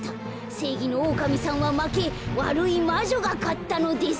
せいぎのオオカミさんはまけわるいまじょがかったのです。